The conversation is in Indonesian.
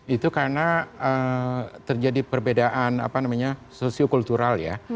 itu karena terjadi perbedaan apa namanya sosio kultural ya